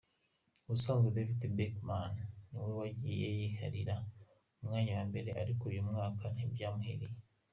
Ubusanzwe David Beckham niwe wagiye yiharira umwanya wa mbere ariko uyu mwaka ntibyamuhiriye.